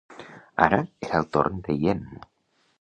Ara, era el torn de Yen.